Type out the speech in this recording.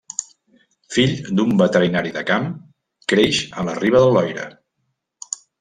Fill d'un veterinari de camp, creix a la riba del Loira.